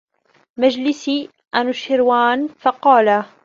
مَجْلِسِ أَنُوشِرْوَانَ فَقَالَ